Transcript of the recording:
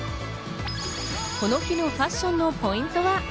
この日のファッションのポイントは？